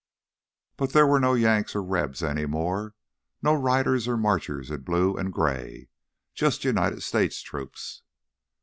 But there were no Yanks or Rebs any more, no riders or marchers in blue and gray—just United States troops.